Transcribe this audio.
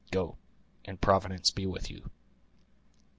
Go, and Providence be with you."